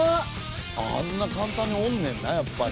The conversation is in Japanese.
あんな簡単におんねんなやっぱり。